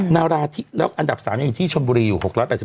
นาราธิแล้วอันดับ๓ยังอยู่ที่ชนบุรีอยู่๖๘